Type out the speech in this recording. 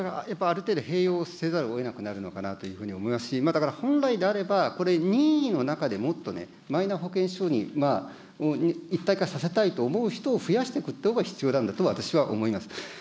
やっぱりある程度併用せざるをえなくなるのかなと思いますし、だから本来であれば、これ、任意の中でもっとね、マイナ保険証に一体化させたいと思う人を増やしていくということが必要なんだと私は思います。